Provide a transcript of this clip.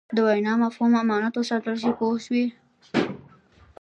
د وینا مفهوم امانت وساتل شي پوه شوې!.